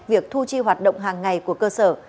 việc thu chi hoạt động hàng ngày của cơ sở